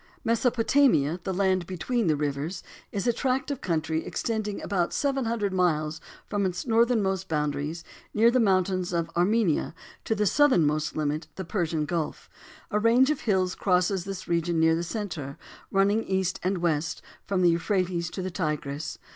Mesopotamia, "The land between the rivers," is a tract of country extending about seven hundred miles from its northernmost boundaries, near the mountains of Armenia, to the southernmost limit, the Persian Gulf. A range of hills crosses this region near the center, running east and west, from the Euphrates to the Tigris.